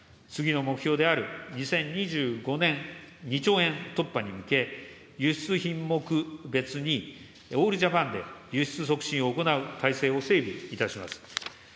次の目標である２０２５年２兆円突破に向け、輸出品目別にオールジャパンで輸出促進を行う体制を整備いたします。